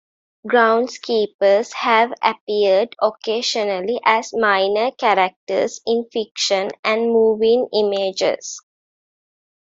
Groundskeepers have appeared occasionally as minor characters in fiction and moving images.